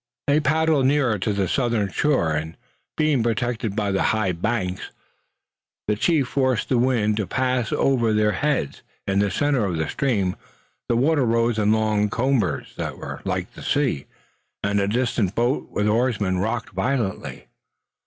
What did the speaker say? They paddled near to the southern shore, and, being protected by the high banks, the chief force of the wind passed over their heads. In the center of the stream the water rose in long combers like those of the sea, and a distant boat with oarsmen rocked violently.